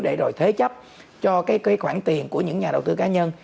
để rồi thế chấp cho cái khoản tiền của những nhà đầu tư cá nhân